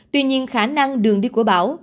tuy nhiên khả năng đường đi của bão